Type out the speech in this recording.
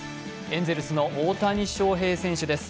エンゼルスの大谷翔平選手です。